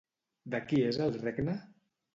De qui és el regne?